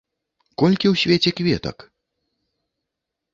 Колькі ў свеце кветак?